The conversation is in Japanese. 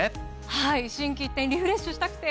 はい心機一転リフレッシュしたくて。